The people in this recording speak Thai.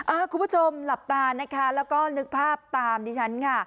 คุณผู้ชมหลับตานะคะแล้วก็นึกภาพตามดิฉันค่ะ